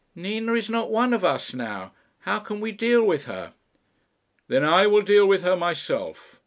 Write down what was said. "Nina is not one of us now. How can we deal with her?" "Then I will deal with her myself.